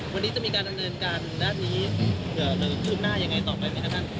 วันนี้จะมีการดำเนินการด้านนี้เผื่อเริ่มขึ้นหน้ายังไงต่อไปไหมครับท่าน